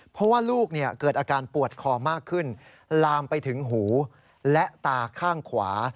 เพราะว่าลูกเกิดอาการปวดคอมากขึ้นลามไปถึงหูและตาข้างขวา